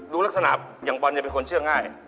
ดูลักษณะอย่างปอนด์จะเป็นคนเชื่อง่าย